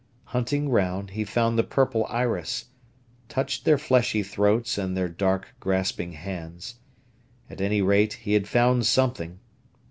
Hunting round, he found the purple iris, touched their fleshy throats and their dark, grasping hands. At any rate, he had found something.